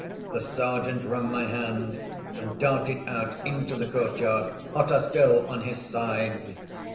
The Sergeant wrung my hand, and darted out into the court yard, hotter still on his side.